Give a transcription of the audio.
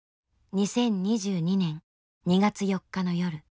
２０２２年２月４日の夜。